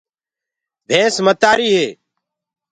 ڀينٚس متآريٚ هي